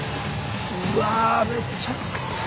うわめっちゃくちゃ。